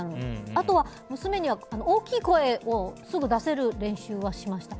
あとは娘には大きい声をすぐ出せる練習はしました。